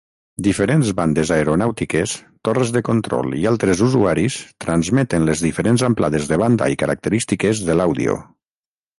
Diferents bandes aeronàutiques, torres de control i altres usuaris transmeten les diferents amplades de banda i característiques de l'àudio.